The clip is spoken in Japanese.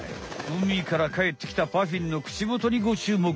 うみからかえってきたパフィンの口もとにご注目。